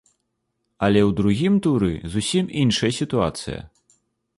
Але ў другім туры зусім іншая сітуацыя.